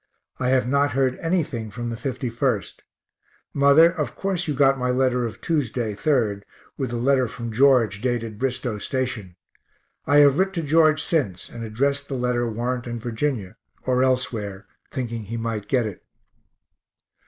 I have not heard anything from the 51st. Mother, of course you got my letter of Tuesday, 3rd, with the letter from George dated Bristoe station. I have writ to George since, and addressed the letter Warrenton, Va., or elsewhere, thinking he might get it.